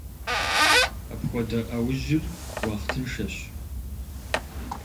Апхуэдэ Ӏэужьыр уахътыншэщ.